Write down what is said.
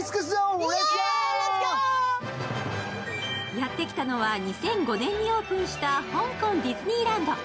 やってきたのは２００５年にオープンした香港ディズニーランド。